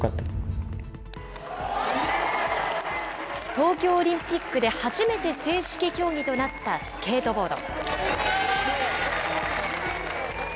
東京オリンピックで初めて正式競技となったスケートボード。